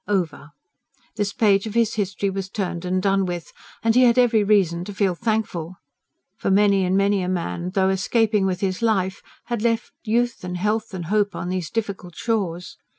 Over! This page of his history was turned and done with; and he had every reason to feel thankful. For many and many a man, though escaping with his life, had left youth and health and hope on these difficult shores.